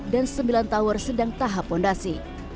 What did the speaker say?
sembilan tower sedang tahap fondasi